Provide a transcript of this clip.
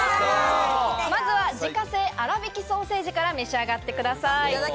まずは自家製あらびきソーセージから召し上がってください。